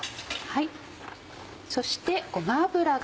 そしてごま油が。